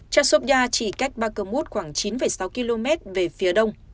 chasovia chỉ cách bakhmut khoảng chín sáu km về phía đông